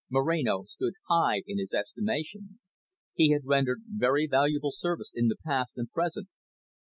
Moreno stood high in his estimation. He had rendered very valuable service in the past and the present.